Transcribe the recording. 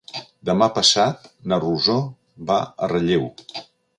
Demà passat na Rosó va a Relleu.